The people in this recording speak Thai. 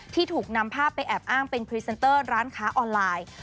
ถูกนำภาพไปแอบอ้างเป็นพรีเซนเตอร์ร้านค้าออนไลน์